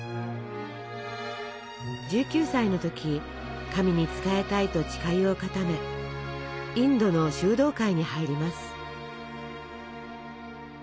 １９歳の時神に仕えたいと誓いを固めインドの修道会に入ります。